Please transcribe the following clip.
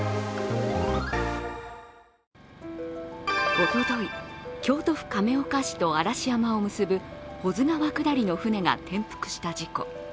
おととい、京都府亀岡市と嵐山を結ぶ保津川下りの舟が転覆した事故。